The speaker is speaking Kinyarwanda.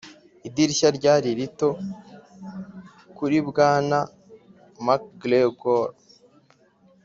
idirishya ryari rito kuri bwana mcgregor,